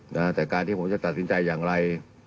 แต่การที่ผมจะตัดสินใจอย่างไร